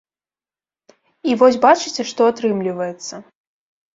І вось бачыце, што атрымліваецца.